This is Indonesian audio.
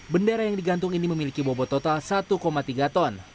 bendera yang digantung ini memiliki bobot total satu tiga ton